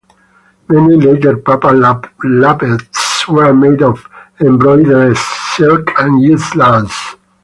Many later papal lappets were made of embroidered silk and used lace.